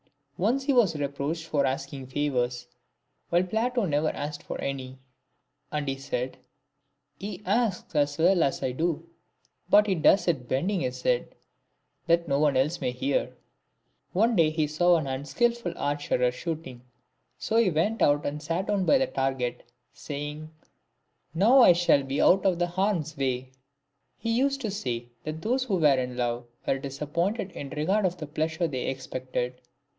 Once he was reproached for asking favours, while Plato never asked for any ; and he said ;—" He asks as well as I do, but he does It Bending his head, that no one else may hear." One day he saw an unskilful archer shooting ; so he went and sat down by the target, saying, " Now I shall be out of harm's way/' He used to say, that those who were in love were disappointed in regard of the pleasure they expected.